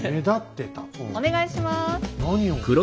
お願いします。